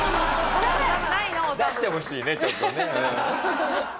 出してほしいねちょっとね。